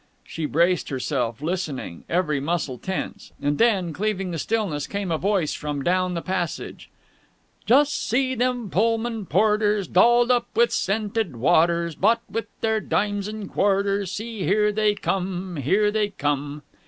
She braced herself, listening, every muscle tense. And then, cleaving the stillness, came a voice from down the passage "Just see them Pullman porters, Dolled up with scented waters Bought with their dimes and quarters! See, here they come! Here they come!"